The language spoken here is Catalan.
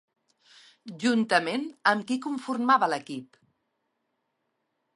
Juntament amb qui conformava l'equip?